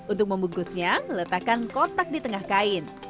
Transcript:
untuk membungkusnya letakkan kotak di tengah kain